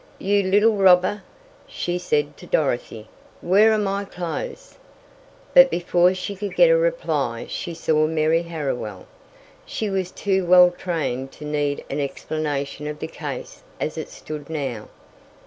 "You little robber!" she said to Dorothy. "Where are my clothes?" But before she could get a reply she saw Mary Harriwell. She was too well trained to need an explanation of the case as it stood now.